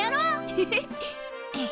ヘヘッ。